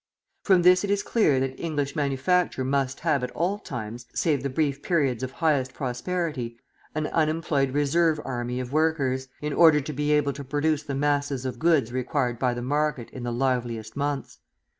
From this it is clear that English manufacture must have, at all times save the brief periods of highest prosperity, an unemployed reserve army of workers, in order to be able to produce the masses of goods required by the market in the liveliest months.